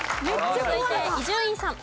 続いて伊集院さん。